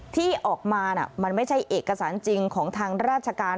ที่ออกมามันไม่ใช่เอกสารจริงของทางราชการ